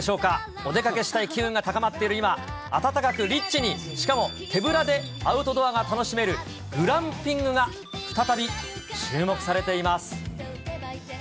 お出かけしたい機運が高まっている今、暖かくリッチに、しかも手ぶらでアウトドアが楽しめるグランピングが、再び注目されています。